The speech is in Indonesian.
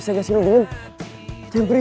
jangan mereka diculik lagi